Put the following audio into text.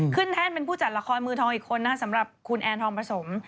แท่นเป็นผู้จัดละครมือทองอีกคนนะสำหรับคุณแอนทองผสม